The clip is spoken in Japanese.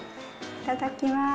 いただきます。